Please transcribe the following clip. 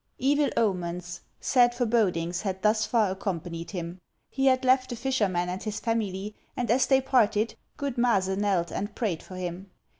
Evil omens, sad forebodings, had thus far accompanied him. He had left the fisherman and his family, and as they parted, good Maase knelt and prayed for him.